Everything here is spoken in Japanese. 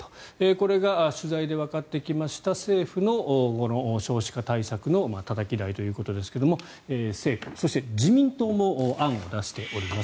これが、取材でわかってきました政府の少子化対策のたたき台ということですが政府、そして自民党も案を出しております。